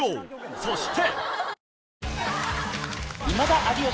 そして。